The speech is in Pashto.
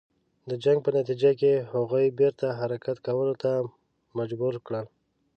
د جنګ په نتیجه کې هغوی بیرته حرکت کولو ته مجبور کړل.